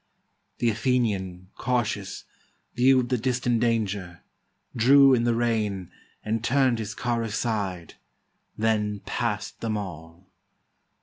The Athenian, cautious, viewed the distant danger, Drew in the rein, and turn'd his car aside; Then pass'd them all.